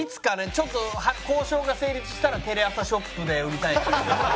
ちょっと交渉が成立したらテレアサショップで売りたい。